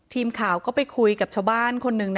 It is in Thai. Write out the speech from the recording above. ทีมข่าวก็ไปคุยกับชาวบ้านคนหนึ่ง